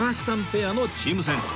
ペアのチーム戦